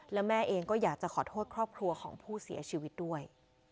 และแม่เองก็อยากจะขอโทษครอบครัวของผู้เสียชีวิตด้วย